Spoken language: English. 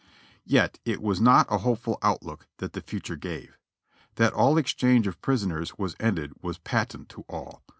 Yet it was not a hopeful outlook that the future gave. That all exchange of prisoners was ended was patent to all.